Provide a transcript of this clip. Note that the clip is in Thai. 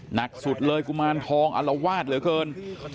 หนักสุดเลยกุมารทองอลวาดเหลือเกิน